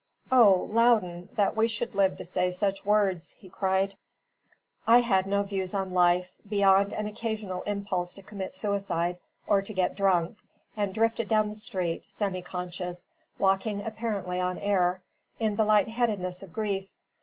"O Loudon, that we should live to say such words!" he cried. I had no views on life, beyond an occasional impulse to commit suicide, or to get drunk, and drifted down the street, semi conscious, walking apparently on air, in the light headedness of grief.